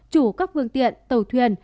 chủ các vương tiện tàu thuyền